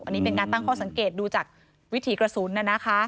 อันนี้เป็นการตั้งข้อสังเกตดูจากวิถีกระสุน